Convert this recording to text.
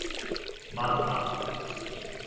맞다.